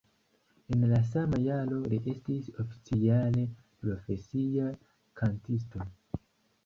En la sama jaro li estis oficiale profesia kantisto.